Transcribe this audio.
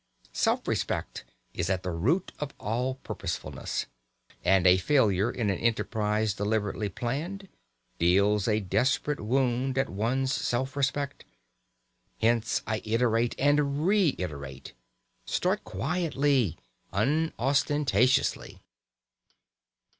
Self respect is at the root of all purposefulness, and a failure in an enterprise deliberately planned deals a desperate wound at one's self respect. Hence I iterate and reiterate: Start quietly, unostentatiously.